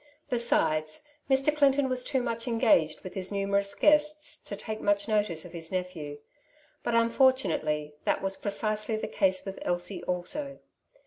Be sides, Mr. Clinton was too much engaged with his numerous guests to take much notice of his nephew ; but unfortunately that was precisely the case with Elsie also.